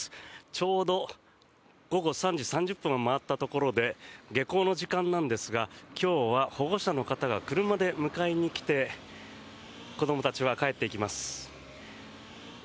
ちょうど午後３時３０分を回ったところで下校の時間なんですが、今日は保護者の方が車で迎えに来て子どもたちは帰っていきます。